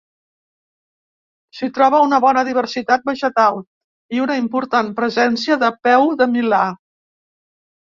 S'hi troba una bona diversitat vegetal, i una important presència de peu de milà.